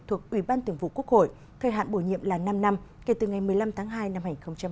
thuộc ủy ban thường vụ quốc hội thời hạn bổ nhiệm là năm năm kể từ ngày một mươi năm tháng hai năm hai nghìn hai mươi